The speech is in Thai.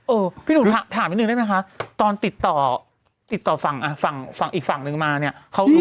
เออพี่หนูถามนิดหนึ่งได้ไหมคะตอนติดต่อติดต่อฝั่งอ่ะฝั่งอีกฝั่งหนึ่งมาเนี่ยเขารู้ไหม